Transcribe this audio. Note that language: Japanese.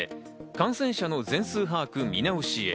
感染者の全数把握見直しへ。